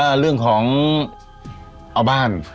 เรื่องของเอาบ้าน